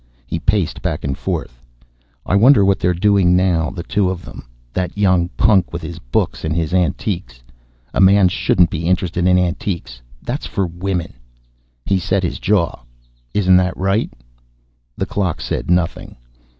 He paced back and forth. "I wonder what they're doing now, the two of them. That young punk with his books and his antiques. A man shouldn't be interested in antiques; that's for women." He set his jaw. "Isn't that right?" The clock said nothing.